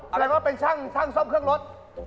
เอาแล้วก็เป็นช่างซ่อมเครื่องรถ